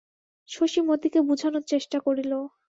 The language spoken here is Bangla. শশী মতিকে বুঝানোর চেষ্টা করিল।